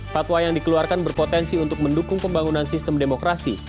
fatwa yang dikeluarkan berpotensi untuk mendukung pembangunan sistem demokrasi